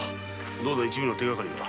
どうだ一味の手がかりは？